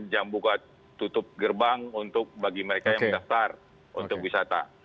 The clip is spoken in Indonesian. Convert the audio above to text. jam buka tutup gerbang untuk bagi mereka yang mendaftar untuk wisata